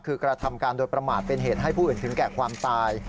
คือกระทำการโดยประมาทเป็นเหตุให้ผู้อื่นถึงแก่ความตาย